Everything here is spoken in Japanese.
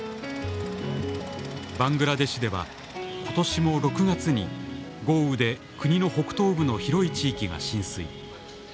バングラデシュでは今年も６月に豪雨で国の北東部の広い地域が浸水。